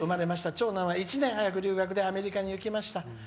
長男は１年早く留学でアメリカにいきました。